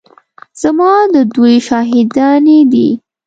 زما د دعوې شاهدانې دي.